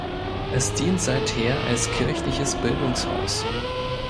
Es dient seither als kirchliches Bildungshaus.